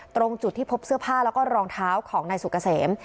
ตรงจุดที่พบเสื้อผ้าแล้วก็รองเท้าของนายสุกเกษม